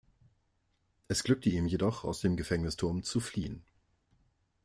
Es glückte ihm jedoch, aus dem Gefängnisturm zu fliehen.